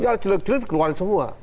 ya jelek jelek keluar semua